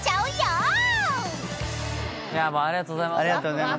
ありがとうございます。